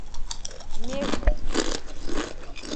🐑 مېږه